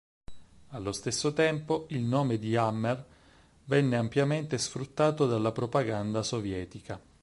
Allo stesso tempo, il nome di Hammer venne ampiamente sfruttato dalla propaganda sovietica.